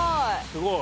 すごい。